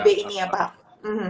psbb ini ya pak